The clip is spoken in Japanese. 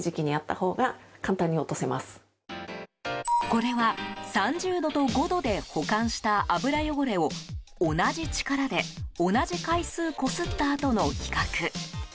これは３０度と５度で保管した油汚れを同じ力で、同じ回数こすったあとの比較。